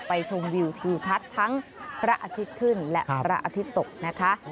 ชมวิวทิวทัศน์ทั้งพระอาทิตย์ขึ้นและพระอาทิตย์ตกนะคะ